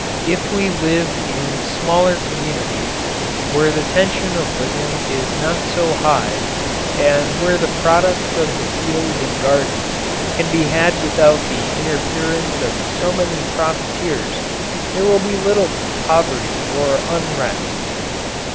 If we live in smaller communities where the tension of living is not so high, and where the products of the fields and gardens can be had without the interference of so many profiteers, there will be little poverty or unrest.